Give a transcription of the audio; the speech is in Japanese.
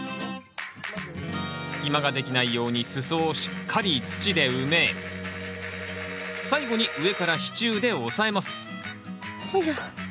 隙間ができないように裾をしっかり土で埋め最後に上から支柱で押さえますよいしょ。